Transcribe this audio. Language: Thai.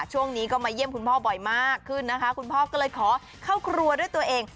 ช่วงนี้ก็มาเยี่ยมคุณพ่อบ่อยมากขึ้นนะคะคุณพ่อก็เลยขอเข้าครัวด้วยตัวเอง